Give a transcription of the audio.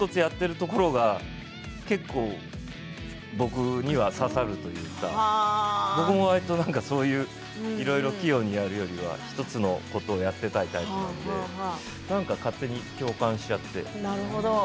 ところが僕には刺さるというか僕も割といろいろ器用にやるよりは１つのことをやっていたいタイプなので勝手に共感しちゃって。